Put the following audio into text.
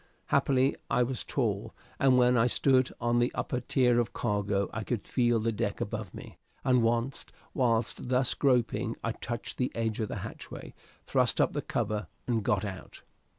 Happily, I was tall, and when I stood on the upper tier of cargo I could feel the deck above me, and once, whilst thus groping, I touched the edge of the hatchway, thrust up the cover, and got out.